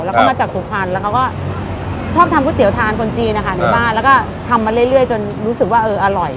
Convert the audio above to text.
แล้วก็มาจากสุพรรณแล้วเขาก็ชอบทำก๋วเตี๋ยทานคนจีนนะคะในบ้านแล้วก็ทำมาเรื่อยจนรู้สึกว่าเอออร่อย